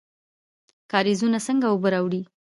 کاریزونه څنګه اوبه راوړي؟